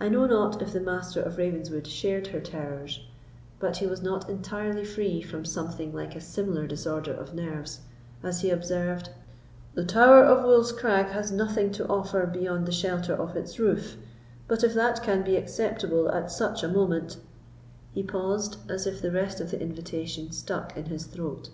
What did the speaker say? I know not if the Master of Ravenswood shared her terrors, but he was not entirely free from something like a similar disorder of nerves, as he observed, "The Tower of Wolf's Crag has nothing to offer beyond the shelter of its roof, but if that can be acceptable at such a moment——" he paused, as if the rest of the invitation stuck in his throat.